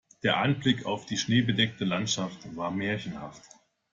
Der Anblick auf die schneebedeckte Landschaft war märchenhaft.